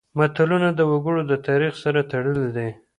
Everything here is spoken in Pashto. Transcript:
متلونه د وګړو د تاریخ سره تړلي دي